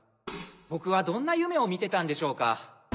僕はどんな夢を見てたんでしょうか。